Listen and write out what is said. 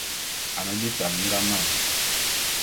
Ane bita bi nga man.